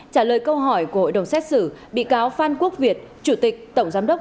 trả lời câu hỏi của hội đồng xét xử bị cáo phan quốc việt chủ tịch tổng giám đốc